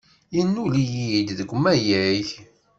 Yennul-iyi deg umayeg.